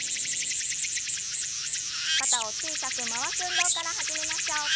肩を小さく回す運動から始めましょう。